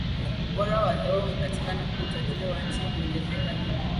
ubora wa hewa umepatikana huku utajiri wa nchi ukiongezeka Hilo